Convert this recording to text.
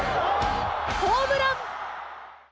ホームラン！